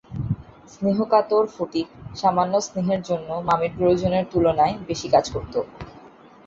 স্নেহকাতর ফটিক সামান্য স্নেহের জন্য মামির প্রয়োজনের তুলনায় বেশি কাজ করত।